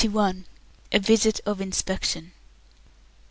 A VISIT OF INSPECTION.